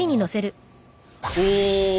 お！